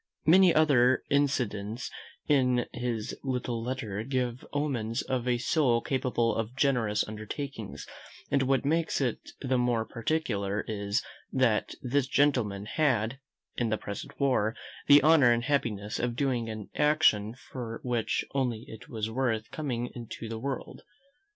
Many other incidents in his little letters give omens of a soul capable of generous undertakings; and what makes it the more particular is, that this gentleman had, in the present war, the honour and happiness of doing an action for which only it was worth coming into the world.